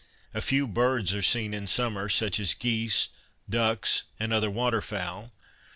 A few birds are seen in summer, such as geese, ducks and other water fowl.